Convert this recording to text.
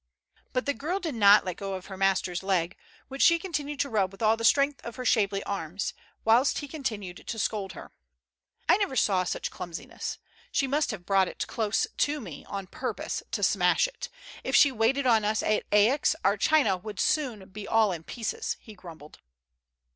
But the girl did not let go of her master's leg, which she continued to rub with all the strength of her shapely arms, whilst he continued to scold her. "I never saw such clumsiness. She must have brought it close to me on purpose to smash it. If she waited on us at Aix our china would soon be all in pieces," he grumbled.